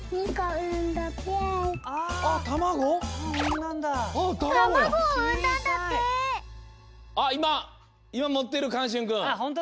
いまいまもってるかんしゅんくん。